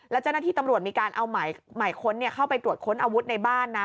แล้วเจ้าหน้าที่ตำรวจมีการเอาหมายค้นเข้าไปตรวจค้นอาวุธในบ้านนะ